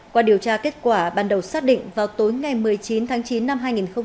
qua điều tra kết quả ban đầu xác định vào tối ngày một mươi chín tháng chín năm hai nghìn hai mươi ba